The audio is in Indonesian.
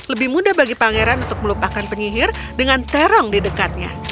lebih mudah bagi pangeran untuk melupakan penyihir dengan terong di dekatnya